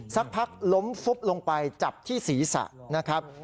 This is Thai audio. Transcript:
สักพักล้มลงไปจับที่ศีรษะ